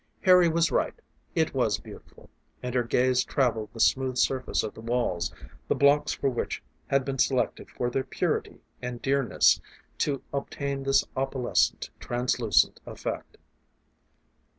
Harry was right it was beautiful; and her gaze travelled the smooth surface of the walls, the blocks for which had been selected for their purity and dearness to obtain this opalescent, translucent effect.